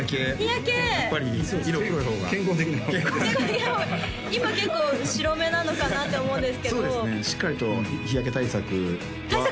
やっぱり色黒い方が健康的な方が今結構白めなのかなって思うんですけどそうですねしっかりと日焼け対策対策？